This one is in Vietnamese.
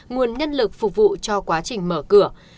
nguồn nhân lực phục vụ cho quá trình mở cửa